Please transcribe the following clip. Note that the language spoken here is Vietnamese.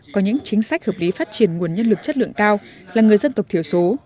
có những chính sách hợp lý phát triển nguồn nhân lực chất lượng cao là người dân tộc thiểu số